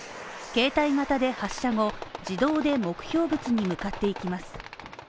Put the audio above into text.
携帯型で発車後、自動で目標物に向かっていきます。